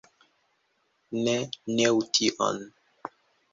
Ne neu tion.